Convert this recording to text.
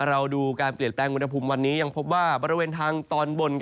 เราดูการเปลี่ยนแปลงอุณหภูมิวันนี้ยังพบว่าบริเวณทางตอนบน